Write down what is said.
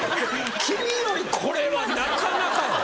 君よりこれはなかなかやろ。